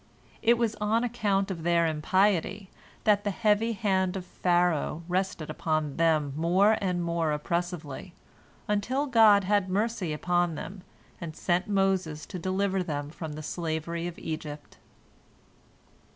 It was on account of their impiety that the heavy hand of Pharaoh rested upon them more and more oppressively, until God had mercy upon them, and sent Moses to deliver them from the slavery of Egypt.